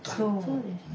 そうですね。